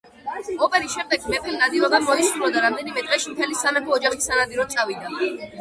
ოპერის შემდეგ მეფემ ნადირობა მოისურვა და რამდენიმე დღეში მთელი სამეფო ოჯახი სანადიროდ წავიდა.